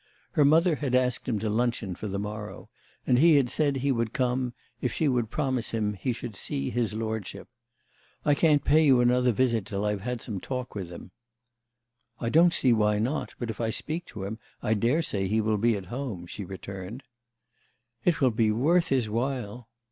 Her mother had asked him to luncheon for the morrow, and he had said he would come if she would promise him he should see his lordship. "I can't pay you another visit till I've had some talk with him." "I don't see why not, but if I speak to him I daresay he will be at home," she returned. "It will be worth his while!"